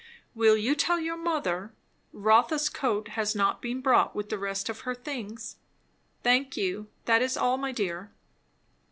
Will you tell your mother, Rotha's coat has not been brought with the rest of her things? Thank you. That is all, my dear."